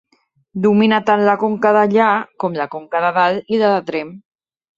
Domina tant la Conca Dellà com la Conca de Dalt i la de Tremp.